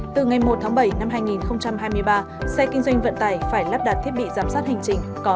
hai nghìn hai mươi hai từ ngày một tháng bảy năm hai nghìn hai mươi ba xe kinh doanh vận tải phải lắp đặt thiết bị giám sát hành trình có